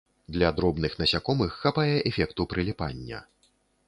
Для дробных насякомых хапае эфекту прыліпання.